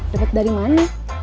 dapet dari mana